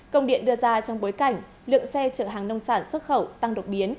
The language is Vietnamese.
công điện đưa ra trong bối cảnh lượng xe trợ hàng nông sản xuất khẩu tăng độc biến